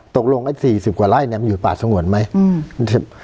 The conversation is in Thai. ตกลงไอ้สี่สิบกว่าไร่เนี่ยมันอยู่ในป่าสงวนไหมอืม